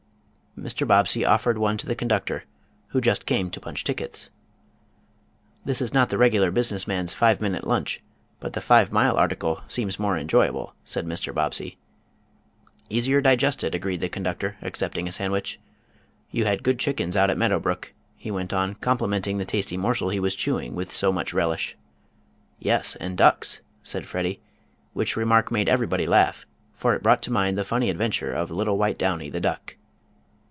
Mr. Bobbsey offered one to the conductor, who just came to punch tickets. "This is not the regular business man's five minute lunch, but the five mile article seems more enjoyable," said Mr. Bobbsey. "Easier digested," agreed the conductor, accepting a sandwich. "You had good chickens out at Meadow Brook," he went on, complimenting the tasty morsel he was chewing with so much relish. "Yes, and ducks," said Freddie, which remark made everybody laugh, for it brought to mind the funny adventure of little white Downy, the duck.